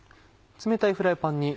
冷たいフライパンに。